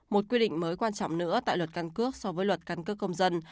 một quy định mới quan trọng nữa tại luật căn cước so với luật căn cước công dân